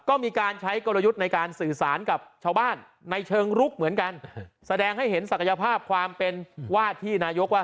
ก็มีการใช้กลยุทธ์ในการสื่อสารกับชาวบ้านในเชิงลุกเหมือนกันแสดงให้เห็นศักยภาพความเป็นว่าที่นายกว่า